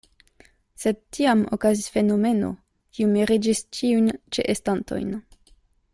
Sed tiam okazis fenomeno, kiu miriĝis ĉiujn ĉeestantojn.